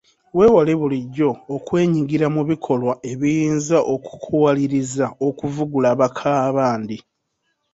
Weewale bulijjo okwenyigira mu bikolwa ebiyinza okukuwaliriza okuvugula bakaabandi.